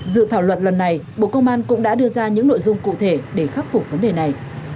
dự thảo luật lần này bộ công an cũng đã đưa ra những nội dung cụ thể để khắc phục vấn đề này